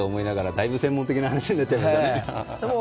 だいぶ専門的な話になっちゃいましたね。